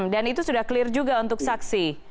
dan itu sudah clear juga untuk saksi